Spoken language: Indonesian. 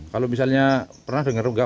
kalau misalnya pernah denger nggak